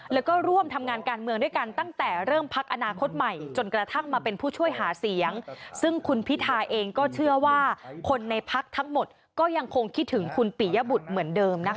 แล้วก็ร่วมทำงานการเมืองด้วยกัน